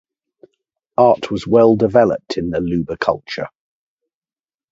Art was well developed in the Luba culture.